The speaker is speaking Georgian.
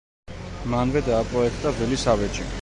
მანვე დააპროექტა ვილის ავეჯი.